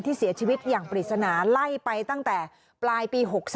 เสียชีวิตอย่างปริศนาไล่ไปตั้งแต่ปลายปี๖๓